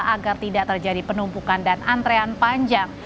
agar tidak terjadi penumpukan dan antrean panjang